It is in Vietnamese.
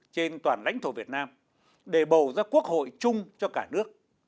trên toàn lãnh thổ việt nam để bầu ra quốc hội chung cho cả nước